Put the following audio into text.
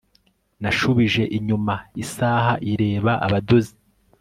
nashubije inyuma isaha ireba abadozi